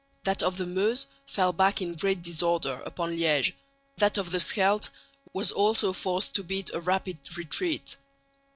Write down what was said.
That of the Meuse fell back in great disorder upon Liège; that of the Scheldt was also forced to beat a rapid retreat.